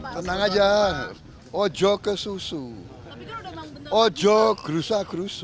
tenang aja ojo kesusu ojo gerasa gerusu